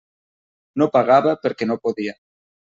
No pagava perquè no podia.